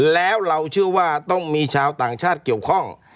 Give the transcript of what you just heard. แล้วเราเชื่อว่าต้องมีชาวต่างชาติเกี่ยวข้อง